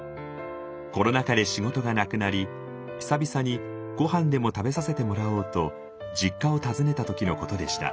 コロナ禍で仕事がなくなり久々にごはんでも食べさせてもらおうと実家を訪ねた時のことでした。